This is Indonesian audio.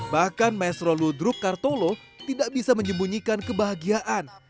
bahkan maestro ludruk kartolo tidak bisa menyembunyikan kebahagiaan